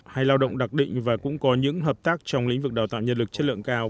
hay lao động đặc định và cũng có những hợp tác trong lĩnh vực đào tạo nhân lực chất lượng cao